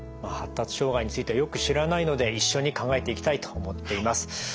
発達障害についてはよく知らないので一緒に考えていきたいと思っています。